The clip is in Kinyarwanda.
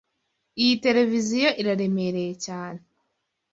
Iyi tereviziyo iraremereye cyane.